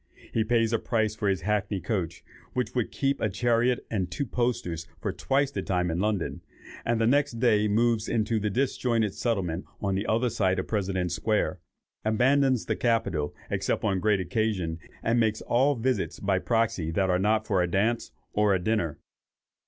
He pays a price for his hackney coach which would keep a chariot and two posters for twice the time in London, and the next day moves into the disjointed settlement on the other side of President's Square, abandons the Capitol, except on great occasions, and makes all visits by proxy that are not for a dance, or a dinner.